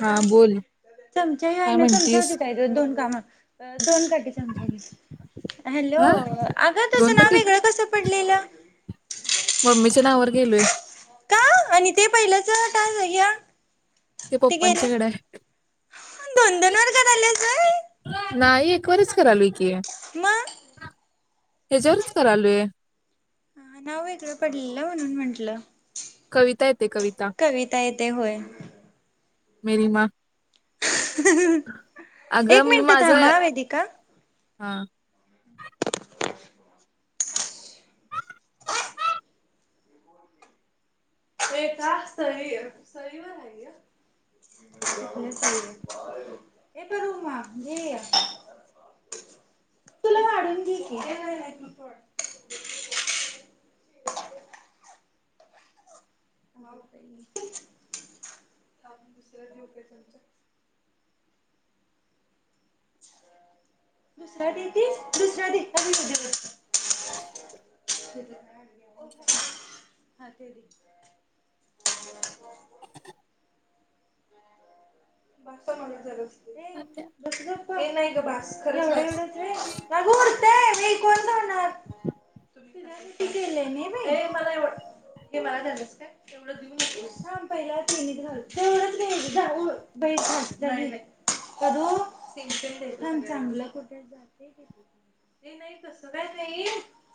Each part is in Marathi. हा बोल. चमचाही आहे. काय ना चमचा व म्हणतीस तिथं काय दोन कामा दोन काठी चमचा. हॅलो! हा अगं दोन तुझं, ना पाकीट वेगळं कसं पडलेलं. मम्मीच्या नावावर गेलोय, का आणि ते पहिलंचट्या ते गेले पप्पांच्याकडे आहे दोन दोन वारग झालेच नाही एकवरच करालूय कि, मग की हच्यावरच करालुय. हा नाव वेगळं पडलेलं, म्हणून म्हटलं? कविता येत कविता य ते होय. मेरी माँ एक अगं मी मिनिटं थांब माझं ह वेदिका. हा. ते का सळी सळीवर हाय ये. [unintelligible] [inaudible] तुला वाढून घेकी. ये नाई नाई तुचं वाढं. [inaudible] हो सई दुसर देऊ कायमच्या दुस दुसऱ्या ते हा तेरी [inaudible] बार न हार दस हजार [inaudible] हे नाही ग खरव गोडतय मी कोण जाणार [inaudible] केले मी मलावट [inaudible] हे माझ झालंस का तेवढंऊन पहिला तेवढ देखदा बई फच आहे [inaudible] कू प चांगलं कुठे जाते. ते नाही तस काय नाही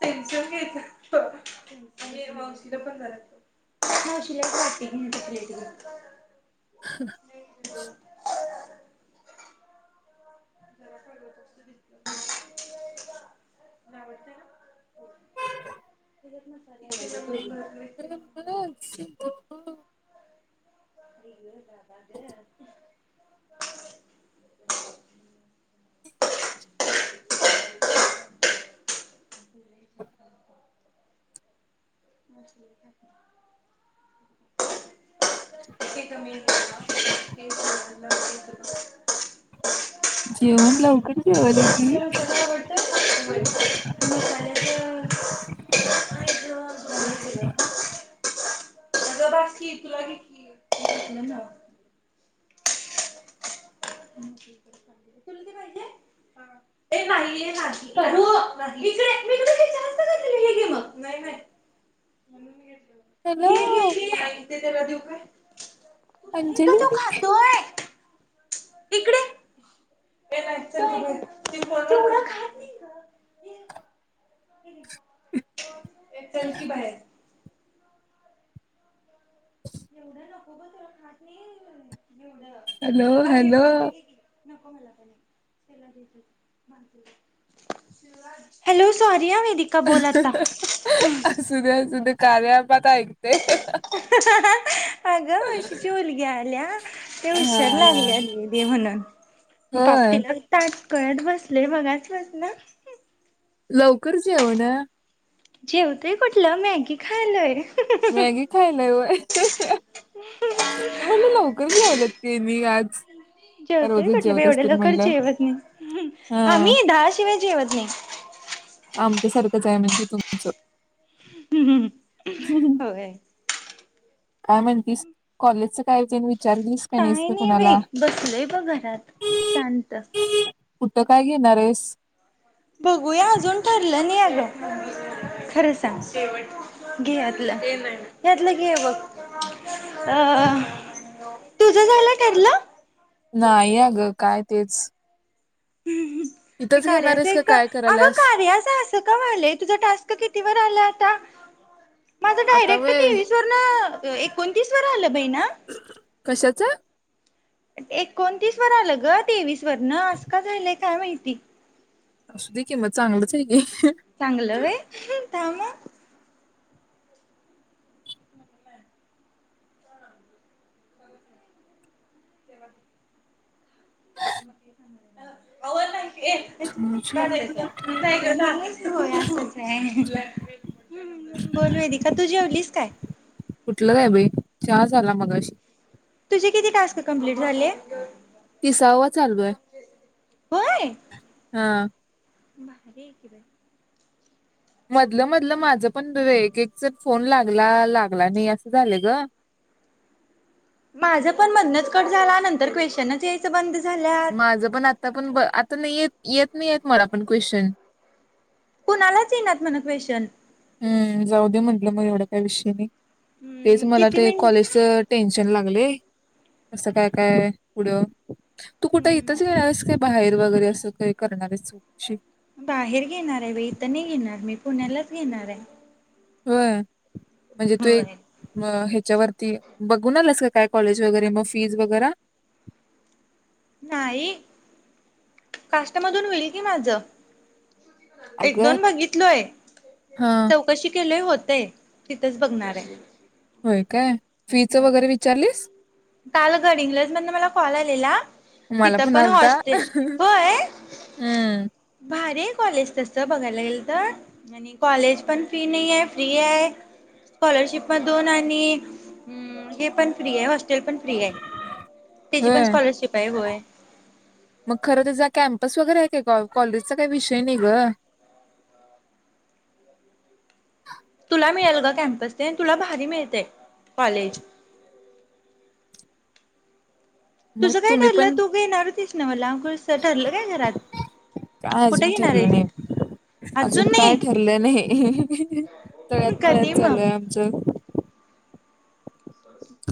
टेन्शन घ्यायच मावशीला पण शट घलेट [inaudible] ह [inaudible] जाबडत [inaudible] [unintelligible] [inaudible] [inaudible] [inaudible] [unintelligible] [inaudible] कमी ह [inaudible] जेवण लवकर जेवलं आहे तुला की, मसाला आवडतो? ह [unintelligible] [inaudible] म बस ठी तुला क [unintelligible] तु पाहिजे. [inaudible] मा माू [inaudible] [unintelligible] [inaudible] घे हॅलो घे त थे त्याला देऊ काय. हे का अंजली तो खातोय. इकडे [unintelligible] [inaudible] ये चल की बाहेर. एवढं नको [unintelligible] हॅलो हॅलो नको मला काही [unintelligible] हॅलो सॉरी [unintelligible] वेदिका बोल आता असू दे असू दे कार्या [inaudible] अगं अशीची उलग्या आल्या ते उशल लागल्या होय [unintelligible] म्हणून [unintelligible] लवकर जेवण जेवतय कुठलं मॅगी खायलोय. मॅगी खायल ये बाई? मला लवकरच जेवलेत की मी आज जेवते रोजच कुठले बाई जेवत एवढ्या असतील लकर म्हणलं जेवत नाही. आम्ही दहा शिवाय जेवत नाही. आमच्यासारखंच आहे म्हणजे तुमचं. होय. काय म्हणतीस कॉलेजचं काय [unintelligible] का नाहीस काय का नाही बाई कुणाला बसलय ब बाई घरात शांत. त काय घेणारेस? बघूया अजून ठरलं नही अग खरं सांग घे यातलं. यातलं घे हे बघ अ तुझं झालं ठरलं? नाही या ग काय तेच. [inaudible] हे कार्याचं आहेस का एक काय अग करायलास कार्याच असं का व्हायलय तुझ टास्क किती वर आलाय आता? माझं आता डायरेक्ट वय तेवीस वर न एकोणतीस वर आलं बाई ना! कशाचं? एकोणतीस वर आलं ग तेवीस वर न अस का झालंय काय माहिती? असू दे की मग चांगलंच आहे की चांगलं वे थांम आ [inaudible] तेव्हा [inaudible] [inaudible] [unintelligible] बोल वेदिका तू जेवलीस काय? कुठलं काय बाई चहा झाला मगाशी. तुझे किती टास्क कम्प्लीट झाले? तिसावा चालू आहे. होय? हा. भारी आहे की बाई. मधलं मधलं माझ पण एक एकच फोन लागला, लागला नाही असं झालं ग. [inaudible] माझं पण मधनच कट झाला नंतर क्वेशनच यायचं बंद झाल्यात. माझं पण आता पण ब आता नाही य येत नाही येत मला पण क्वेश्चन. कुणालाच येणार म्हण क्वेशन. हम्म जाऊ दे म्हंटलं मग एवढ्या काय विषयी नाही. तेच हम्म मला किती ते मिनिट कॉलेजच टेन्शन लागलंय. असं काय काय पुढं तू कुठं हम्म. येतच घेणार आहेस काय? बाहेर वगैरे असं काही करणारे [unintelligible] बाहेर घेणार आहे व इत नाही घेणार मी पुण्यालाच घेणार आहे होय म्हणजे तू एक होय. ह्याच्यावरती बघून आलास का काय कॉलेज वगैरे मग फीज वगैरे नाही काष्टामधून होईल कि माझ एक अगं दोन बघितलो आहे हा चौकशी केली होत तिथंच बघणार आहे काय फीच हम्म. वगैरे विचारलीस काल गड इंगलंज म्हण मला कॉल आलेला मला तिथं पण आलता हॉस्ते होय हम्म भारीक कॉलेज तस बघायला गेलं तर आणि कॉलेज पण फी नाही आहे फ्री आहे स्कॉलरशिप म दोन आणि हे पण फ्री आहे ण फ्री आहे त्याची पण होय स्कॉलरशिप आहे होय तस वगैरे आहे काय का कॉलेजचा काही विषय नाही ग तुला मिळेल का कॅमपस तुला भारी मिळते कॉलेज मग तुसं काय तुम्ही ठरलं पण तू घेणार होतीस ना मला कस ठरलं काय घरात काय कुठे अजून घेणार ठरलं आहेस नाही अजून काय ठरलं नाही तळ्यात कधी मु्यात चालू आहे मग आमच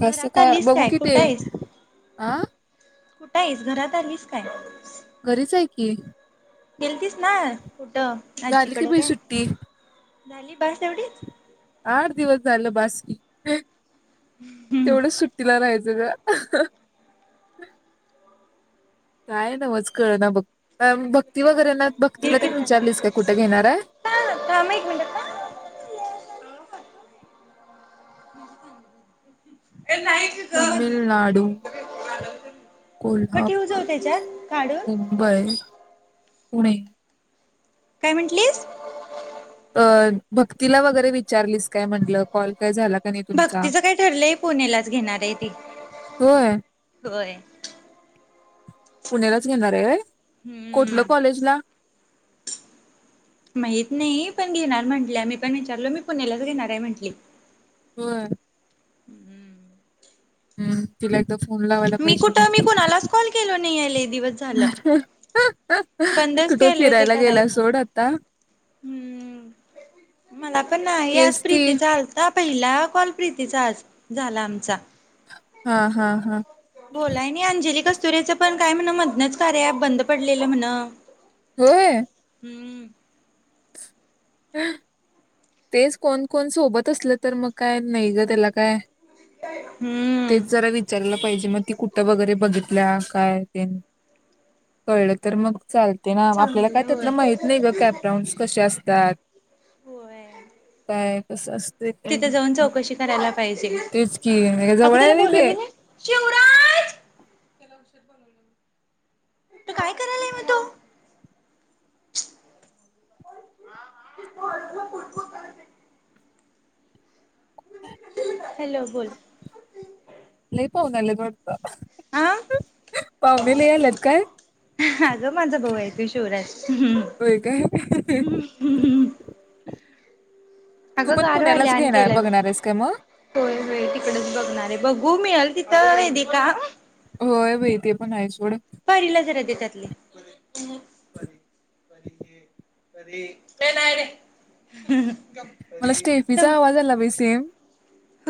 कसं आलीस बघू काय कि ते कुठं आहेस. आ कुठा आहेस घरात आलीस काय? घरीच आहे की. गेलतीस ना कुठं झाली की आजीकडे बाई काय सुट्टी झाली बस एवढीच आठ दिवस झालं बासरी हम्म तेवढं सुट्टीला राहायचं ग. काय ना मज कळ ना बघ. भक्ती वगैरे ना भक्तीला ठीक त्यां आहे विचारलीस काय कुठे घेणार आहे. थांब एक मिनिटं का. [unintelligible] तमिळनाडू. मग ठेवू कोल्हापूर, जाऊ त्याच्यात काढून मुंबई, पुणे काय म्हटलीस. अ भक्तीला वगैरे विचारलीस काय म्हटलं कॉल काय झाला का नाही तुमचा भक्तीचं काय ठरलंय पुणेलाच घेणार आहे ती. होय होय. पुण्यालाच घेणार आहे हम्म कोठलं कॉलेजला. माहित नाही पण घेणार म्हटल्या मी पण विचारलो मी पुण्यालाच घेणार आहे म्हंटली. व्हय. हम्म. हम्म तिला. ला फोन लावायला मी पाहिजे कुठं मी मग. कुणालाच कॉल केलो नाही लय दिवस झालं ती बंदच कुठं केलं होते फिरायला गेला करायचं. सोड आता हम्म मला पण नाही आज तेच ती प्रीती आलता पहि ला कॉल प्रीतीचा आज झाला आमचा. हा हा हा बोलाय नाही अंजली कस्तुरेचं पण काय म्हण मधनच कार्या प बंद पडलेलं म्हण. व्हय. हम्म. तेच कोण कोण सोबत असलं तर मग काय नाही ग त्याला काय हम्म तेच जरा विचारलं पाहिजे मग ती कुठं वगैरे बघितल्या काय ते कळलं तर मग चाल ते ना आपल्याला काय चांगलं होय. त्यातलं माहित नाही ग कॅपडाउन्स कसे असतात. [inaudible] [unintelligible] कसं असत. तिथे जाऊन चौकशी करायला पाहिजे. तेच कि अगं जवळ त्याला हायवी ते. बोलावली [inaudible] नाही. शिवराज त काय करायला आहे म तो. [inaudible] हॅलो बोल. होता. आ. पाहुणे लय आलेत काय? अगं माझा भाऊ आहे शिवराज. हम्म होय काय हम्म हम्म. तू अगं पण गार व्हायला पुण्यालाच आता घेणार गेलाय बघणार आहेस काय मग होय होय तिकडेच बघणार आहे बघू मिळलं तिथ तर वेदिका होय बाई ते पण आहे सोड. परीला जरा दे त्याचातले. [unintelligible] मला स्टेफीचा आवाज आला बाई सेम. [unintelligible]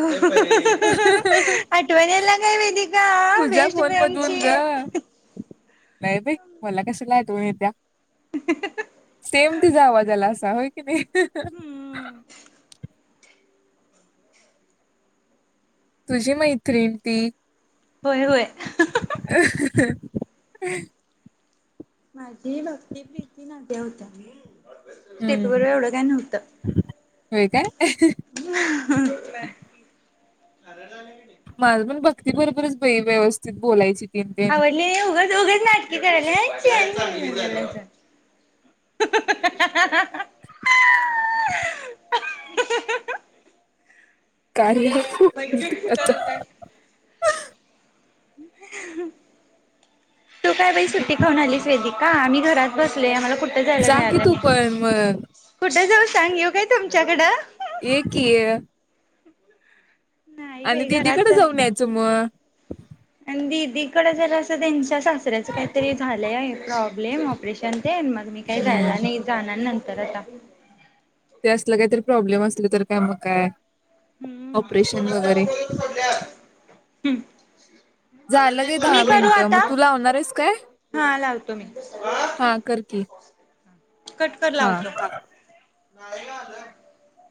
आठवण यालाला लागली काय वेदिका तुझ्या बेस्ट. फोन [unintelligible] [unintelligible] नाही बाई मला कशाला आठवण येत्या. सेम तिचा आवाज आलाअसा. का होय की नई तुझी मैत्रीण ती होय होय. [unintelligible] [inaudible] माझी भक्ती, प्रीती, आद्या होत्या. स्टेप हम्म बरोबर एवढं काय नव्हतं होय काय हा माझ पण भक्ती बरोबरच बाई व्यवस्थित बोलायची. तीन तीन आवडली उघंच उघंच नाटकी करायला [unintelligible] [unintelligible] [inaudible] [unintelligible] आता. तू काय बाई सुट्टी खाऊन आलीस.. वेदीका आम्ही- घरात बसले आमाला कुठ जायला जा की मिळालं तू नाही. पण मग कुठ जाऊ? सांग येऊ काय तुमच्याकडं? ये कि ये.. नाही बाई घरात जाऊन यायचं मग आणि दिदी कड जरासं त्यांच्या - - सासऱ्याच काहीतरी झालंय प्रॉब्लेम ऑपरेशन तेन मग. मी काही जायला हम्म नाही जाणार नंतर. तर अता ते असलं काही तरी प्रॉब्लेम असल तर.. काय मग काय. हम्म.. [unintelligible] ऑपरेशन वगैरे झालं ग मी दहा करू मिनट मग आता तू लावणार आहेस काय? हा लावतो मी हा कर की [unintelligible] कट कर हा लावतो [unintelligible]